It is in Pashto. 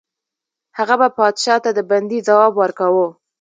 هغه به پادشاه ته د بندي ځواب ورکاوه.